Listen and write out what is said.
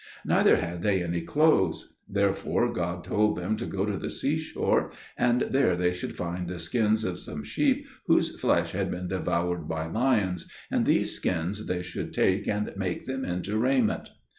Neither had they any clothes. Therefore God told them to go to the seashore, and there they should find the skins of some sheep whose flesh had been devoured by lions, and these skins they should take and make them into raiment.